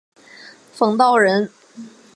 冯道人。